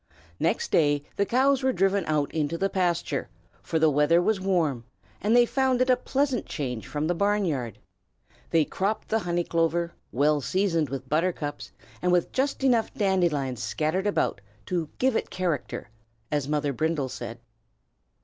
Next day the cows were driven out into the pasture, for the weather was warm, and they found it a pleasant change from the barn yard. They cropped the honey clover, well seasoned with buttercups and with just enough dandelions scattered about to "give it character," as Mother Brindle said.